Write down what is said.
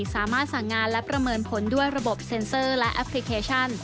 สามารถสั่งงานและประเมินผลด้วยระบบเซ็นเซอร์และแอปพลิเคชัน